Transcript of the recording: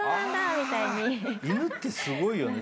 犬ってすごいよね。